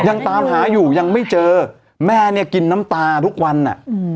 ยังตามหาอยู่ยังไม่เจอแม่เนี่ยกินน้ำตาทุกวันอ่ะอืม